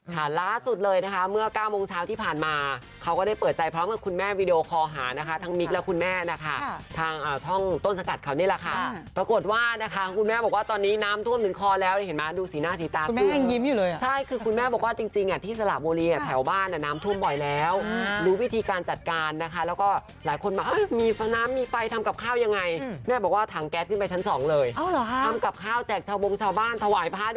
ค่ะล้าสุดเลยนะคะเมื่อเก้าโมงเช้าที่ผ่านมาเขาก็ได้เปิดใจพร้อมกับคุณแม่วีดีโอคอหานะคะทั้งมิคและคุณแม่นะคะทางช่องต้นสกัดเขานี่แหละค่ะปรากฏว่านะคะคุณแม่บอกว่าตอนนี้น้ำทุ่มถึงคอแล้วเห็นมั้ยดูสีหน้าสีตาคุณแม่แห้งยิ้มอยู่เลยอ่ะใช่คือคุณแม่บอกว่าจริงอ่ะที่สละโบรีแถวบ้านน้